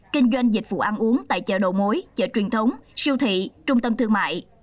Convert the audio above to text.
kinh doanh dịch vụ ăn uống tại chợ đồ mối chợ truyền thống siêu thị trung tâm thương mại